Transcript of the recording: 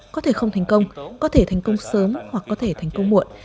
có thể không thành công có thể thành công sớm hoặc có thể thành công muộn